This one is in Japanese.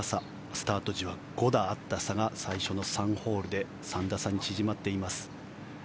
スタート時は５打あった差が最初の３ホールで３打差に縮まっています。